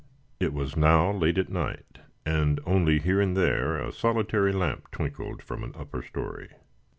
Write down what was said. It was now late at night, and only here and there a solitary lamp twinkled from an upper story.